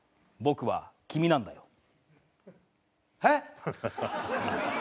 僕は君なんだよ。えっ？